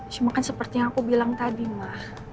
cuma kan seperti yang aku bilang tadi mah